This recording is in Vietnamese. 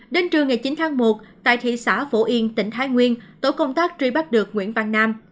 đến trưa ngày chín tháng một tại thị xã phổ yên tỉnh thái nguyên tổ công tác truy bắt được nguyễn văn nam